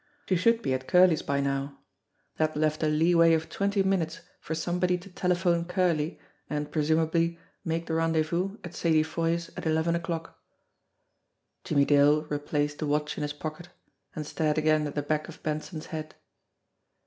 She should be at Curley's *"y now. That left a leeway of twenty minutes for somebody 235 236 JIMMIE DALE AND THE PHANTOM CLUE to telephone Curley and, presumably, make the rendezvous at Sadie Foy's at eleven o'clock. Jimmie Dale replaced the watch in his pocket and stared again at the back of Benson's head.